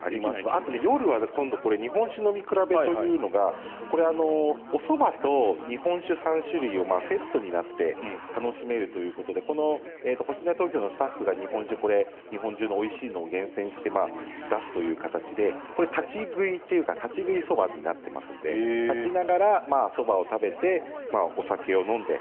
あと夜は今度これ日本酒飲み比べというのがおそばと日本酒３種類がセットになって楽しめるということでこの星のや東京のスタッフが日本酒日本中のおいしいのを厳選して出すというので立ち食いというか立ち食いそばになっていますので立ちながら、そばを食べてお酒を飲んで。